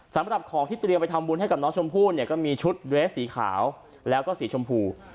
สำหรับของที่เตรียมไปทำบุญให้กับน้องชมพู่เนี่ยก็มีชุดเรสสีขาวแล้วก็สีชมพู